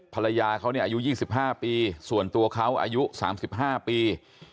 ภรรยาเขาเนี่ยอายุยี่สิบห้าปีส่วนตัวเขาอายุสามสิบห้าปี